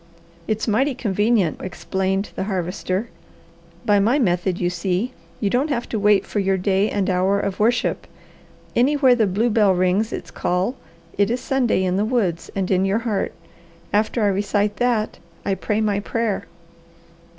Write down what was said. "It's mighty convenient," explained the Harvester. "By my method, you see, you don't have to wait for your day and hour of worship. Anywhere the blue bell rings its call it is Sunday in the woods and in your heart. After I recite that, I pray my prayer."